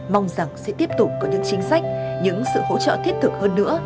mong rằng sẽ tiếp tục có những chính sách những sự hỗ trợ thiết thực hơn nữa